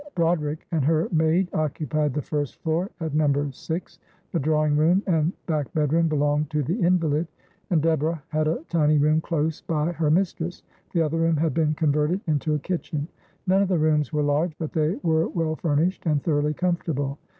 Broderick and her maid occupied the first floor at number six, the drawing room and back bedroom belonged to the invalid, and Deborah had a tiny room close by her mistress, the other room had been converted into a kitchen; none of the rooms were large, but they were well furnished, and thoroughly comfortable.